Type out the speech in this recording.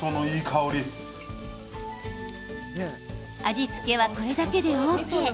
味付けはこれだけでＯＫ。